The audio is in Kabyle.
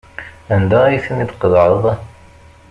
Anda ay ten-id-tqeḍɛeḍ?